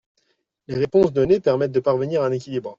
Les réponses données permettent de parvenir à un équilibre.